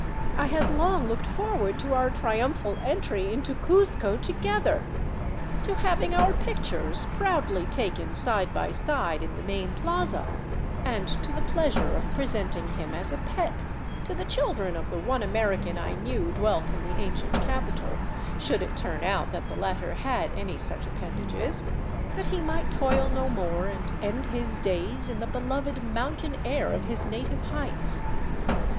I had long looked forward to our triumphal entry into Cuzco to jrether, to having our pictures proudly taken side by side in the main plaza, and to the pleasure of presenting him as a pet to the children of the one American I knew dwelt in the ancient capital — should it turn out that the latter had any such appendages — that he might toil no more and end his days in the beloved mountain air of his native heights.